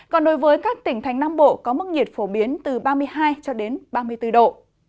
còn đối với các tỉnh thành nam bộ có mức nhiệt phổ biến từ ba mươi hai cho đến ba mươi bốn độ